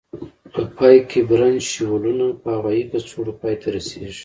په پای کې برانشیولونه په هوایي کڅوړو پای ته رسيږي.